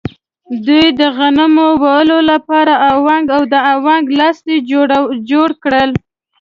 دوی د غنمو وړلو لپاره اونګ او د اونګ لاستی جوړ کړل.